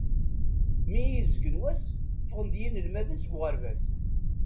Mi i izeggen wass, ffɣen-d yinelmaden seg uɣerbaz.